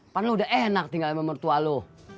kan lu udah enak tinggal sama mertua lu